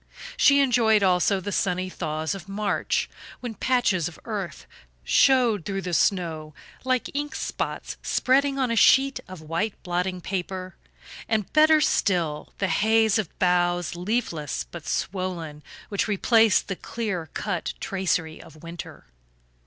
She enjoyed, also, the sunny thaws of March, when patches of earth showed through the snow, like ink spots spreading on a sheet of white blotting paper; and, better still, the haze of boughs, leafless but swollen, which replaced the clear cut tracery of winter.